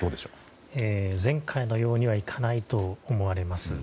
前回のようにはいかないと思われます。